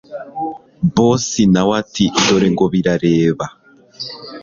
boss nawe ati dore ngo birareba